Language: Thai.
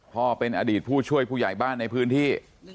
พ่อเป็นอดีตผู้ช่วยผู้ใหญ่บ้านในพื้นที่